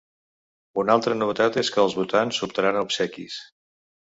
Una altra novetat és que els votants optaran a obsequis.